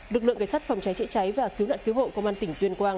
lực lượng kế sát phòng cháy trễ cháy và cứu nạn cứu hộ công an tỉnh tuyên quang